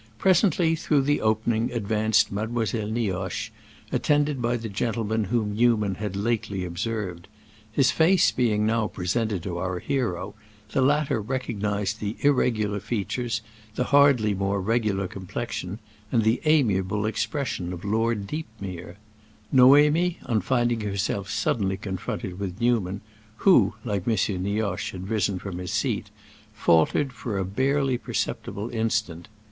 Presently, through the opening, advanced Mademoiselle Nioche, attended by the gentleman whom Newman had lately observed. His face being now presented to our hero, the latter recognized the irregular features, the hardly more regular complexion, and the amiable expression of Lord Deepmere. Noémie, on finding herself suddenly confronted with Newman, who, like M. Nioche, had risen from his seat, faltered for a barely perceptible instant.